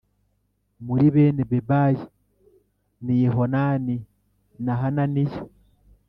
Muri bene bebayi ni yehohanani na hananiya